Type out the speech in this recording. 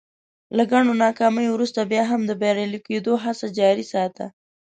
له ګڼو ناکاميو ورورسته بيا هم د بريالي کېدو هڅې جاري ساته.